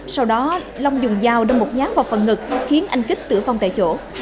sau đó long dùng dao đâm một nhát vào phần ngực khiến anh kích tử vong tại chỗ